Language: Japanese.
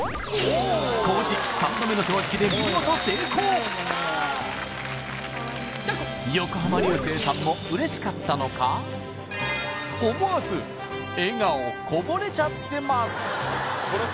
こうじ三度目の正直で見事横浜流星さんも嬉しかったのかこぼれちゃってます